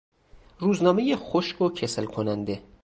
روزنامهی خشک و کسل کننده